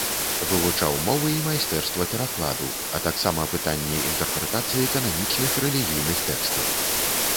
Вывучаў мовы і майстэрства перакладу, а таксама пытанні інтэрпрэтацыі кананічных рэлігійных тэкстаў.